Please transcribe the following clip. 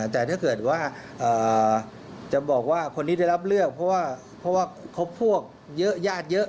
แต่ถ้าเกิดว่าจะบอกว่าคนนี้ได้รับเลือกเพราะว่าครบพวกเยอะญาติเยอะ